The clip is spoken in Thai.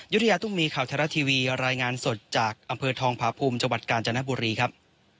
ยุธยาตุ้มมีข่าวไทยรัฐทีวีรายงานสดจากอำเภอทองผาภูมิจังหวัดกาญจนบุรีครับ